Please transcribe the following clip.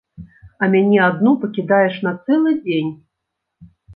А мяне адну пакідаеш на цэлы дзень.